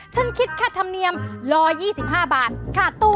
ฉันคิดค่าธรรมเนียม๑๒๕บาท